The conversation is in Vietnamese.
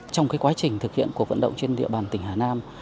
trong quá trình thực hiện cuộc vận động trên địa bàn tỉnh hà nam